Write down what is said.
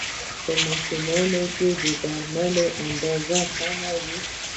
په ماشومانو کې د درملو اندازه کمه وي.